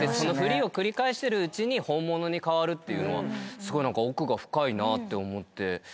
フリを繰り返してるうちに本物に変わるっていうのはすごい奥が深いなって思って。